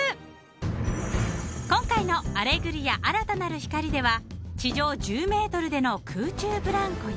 ［今回の『アレグリア−新たなる光−』では地上１０ｍでの空中ブランコや］